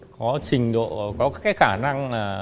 có trình độ có khả năng